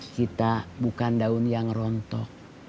kita bukan daun yang rontok